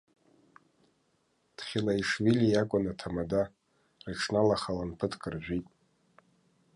Ҭхилаишвили иакәын аҭамада, рыҽналахалан ԥыҭк ржәит.